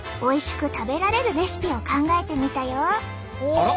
あら。